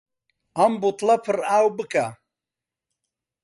ئەم بوتڵە پڕ ئاو بکە.